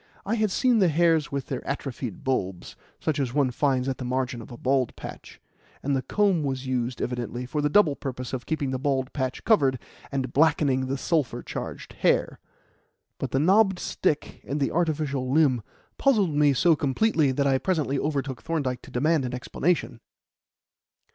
I had seen the hairs with their atrophied bulbs such as one finds at the margin of a bald patch; and the comb was used, evidently, for the double purpose of keeping the bald patch covered and blackening the sulphur charged hair. But the knobbed stick and the artificial limb puzzled me so completely that I presently overtook Thorndyke to demand an explanation.